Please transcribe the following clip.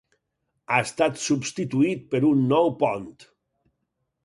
Ha estat substituït per un nou pont.